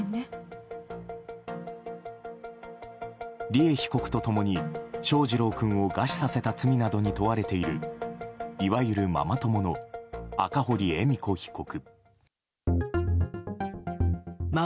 利恵被告と共に、翔士郎君を餓死させた罪などに問われているいわゆるママ友の赤堀恵美子被告。